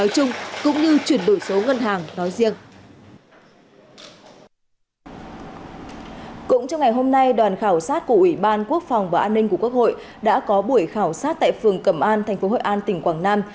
cũng trong ngày hôm nay đoàn khảo sát của ủy ban quốc phòng và an ninh của quốc hội đã có buổi khảo sát tại phường cẩm an thành phố hội an tỉnh quảng nam